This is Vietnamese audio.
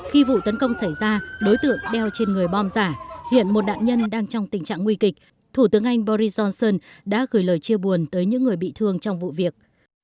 khi vụ tấn công xảy ra đối tượng đeo trên người bom giả hiện một nạn nhân đang trong tình trạng nguy kịch thủ tướng anh boris johnson đã gửi lời chia buồn tới những người bị thương trong vụ việc